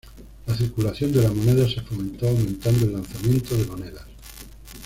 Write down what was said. La circulación de la moneda se fomentó aumentando el lanzamiento de monedas.